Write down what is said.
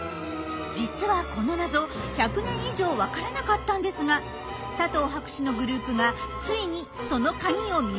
実はこの謎１００年以上分からなかったんですが佐藤博士のグループが遂にそのカギを見つけたんです。